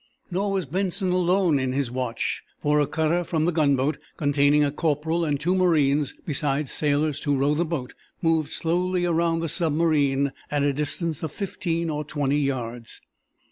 Nor was Benson alone in his watch, for a cutter from the gunboat, containing a corporal and two marines, beside sailors to row the boat, moved slowly around the submarine at a distance of fifteen or twenty yards.